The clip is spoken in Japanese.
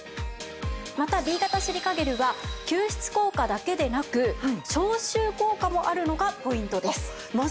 またＢ型シリカゲルは吸湿効果だけでなく消臭効果もあるのがポイントです。